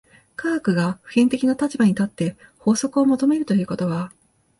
科学が普遍的な立場に立って法則を求めるということは、